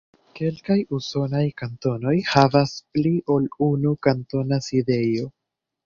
Kelkaj usonaj kantonoj havas pli ol unu kantona sidejo.